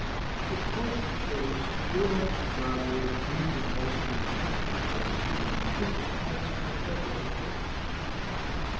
The postchaise whirled the traveller through the most delightful home scenery his eyes had ever lighted on.